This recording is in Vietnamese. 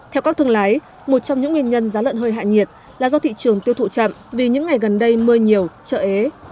theo các thương lái một trong những nguyên nhân giá lợn hơi hạ nhiệt là do thị trường tiêu thụ chậm vì những ngày gần đây mưa nhiều chợ ế